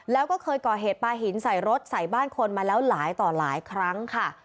แล้วก็เคยก่อเหตุปลาหินใส่รถใส่บ้านคนมาแล้วหลายต่อหลายครั้งค่ะ